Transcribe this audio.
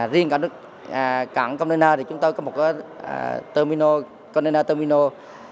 riêng cảng container thì chúng tôi có một terminal container